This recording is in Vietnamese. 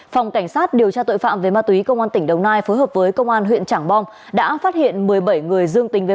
phòng cảnh sát điều tra tội phạm về ma túy công an tỉnh đồng nai phối hợp với công an huyện trảng bom đã phát hiện một mươi bảy người dương tính với